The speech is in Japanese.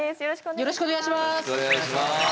よろしくお願いします。